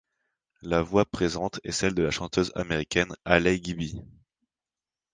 La voix présente est celle de la chanteuse américaine Haley Gibby.